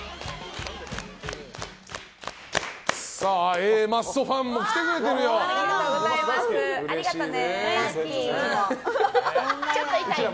Ａマッソファンも来てくれてるよ。ありがとね！